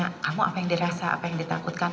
kamu apa yang dirasa apa yang ditakutkan